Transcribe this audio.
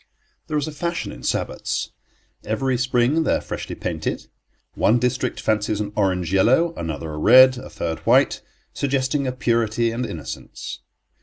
There is a fashion in sabots. Every spring they are freshly painted. One district fancies an orange yellow, another a red, a third white, suggesting purity and innocence.